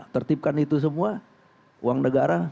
tertipkan itu semua uang negara